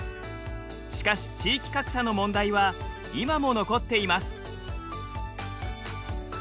しかし地域格差の問題は今も残っています。